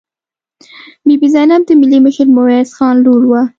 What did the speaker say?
بي بي زینب د ملي مشر میرویس خان لور وه.